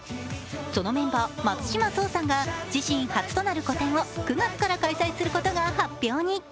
そのメンバー、松島聡さんが自身初となる個展を９月から開催することが発表に。